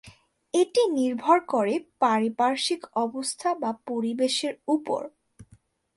এটি নির্ভর করে পারিপার্শ্বিক অবস্থা বা পরিবেশের উপর।